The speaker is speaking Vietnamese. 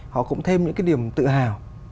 họ cũng thêm những cái điểm tự hào